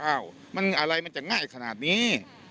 อ้าวอะไรมันจะเร็วขนาดนี้